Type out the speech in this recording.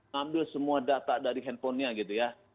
ngambil semua data dari handphonenya gitu ya